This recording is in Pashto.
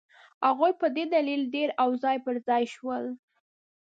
هغوی په دې دلیل ډېر او ځای پر ځای شول.